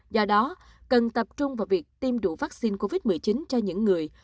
do đó cần tập trung vào việc tiêm đủ vaccine covid một mươi chín cho những người